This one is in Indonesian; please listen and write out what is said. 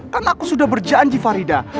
karena aku sudah berjanji farida